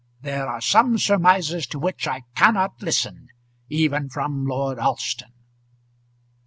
There are some surmises to which I cannot listen, even from Lord Alston."